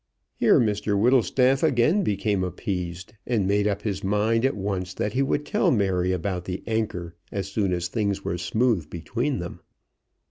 Here Mr Whittlestaff again became appeased, and made up his mind at once that he would tell Mary about the anchor as soon as things were smooth between them.